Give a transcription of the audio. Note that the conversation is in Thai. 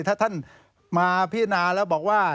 ถ้าท่านมาพิจารณาแล้วบอกว่า